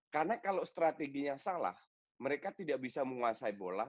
karena kalau strateginya salah mereka tidak bisa menguasai bola